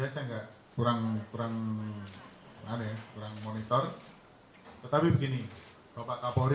pak pak apa dengan kabarnya pak jokowi berbicara ke surabaya bersama kak polri